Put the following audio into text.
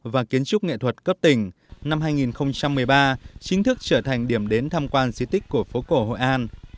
và kiến trúc nghệ thuật cấp tỉnh năm hai nghìn một mươi ba chính thức trở thành điểm đến tham quan di tích của phố cổ hội an